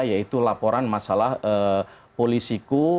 yaitu laporan masalah polisiku